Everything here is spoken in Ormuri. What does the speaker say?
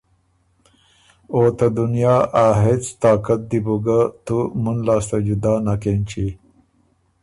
او ته دنیا ا هېڅ طاقت دی بُو ګه تُو مُن لاسته جُدا نک اېنچی